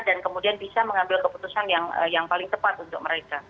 dan kemudian bisa mengambil keputusan yang paling tepat untuk mereka